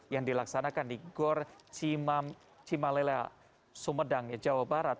yang dilaksanakan di gor cimalele sumpendang jawa barat